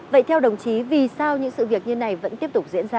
vậy theo đồng chí vì sao những sự việc như này vẫn tiếp tục diễn ra